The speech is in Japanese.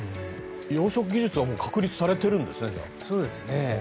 養殖技術は確立されてるんですね。